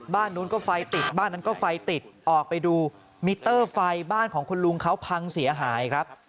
บ้านนู้นก็ไฟติดบ้านนั้นก็ไฟติดออกไปดูมิเตอร์ไฟบ้านของคุณลุงเขาพังเสียหายครับ